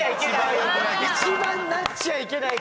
一番なっちゃいけない。